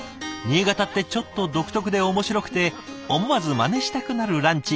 新潟ってちょっと独特で面白くて思わずまねしたくなるランチ